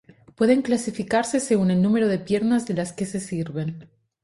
Pueden clasificarse según el número de piernas de las que se sirven.